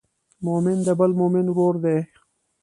مؤمن د بل مؤمن ورور دی.